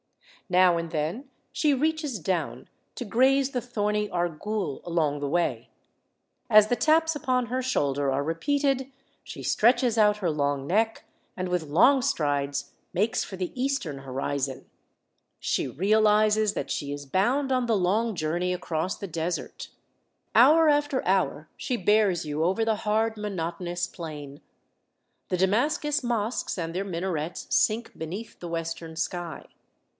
Now and then she reaches down to graze the thorny argool along the way. As the taps upon her shoulder are re peated, she stretches out her long neck, and with long strides makes for the eastern horizon; she 39 40 THE SEYEN WONDERS realizes that she is bound on the long journey across the desert. Hour after hour she bears you over the hard monotonous plain. The Damascus mosques and their minarets sink beneath the western sky.